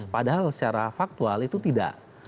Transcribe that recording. padahal secara faktual itu tidak